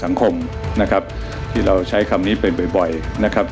สังคมนะครับที่เราใช้คำนี้เป็นบ่อยบ่อยนะครับ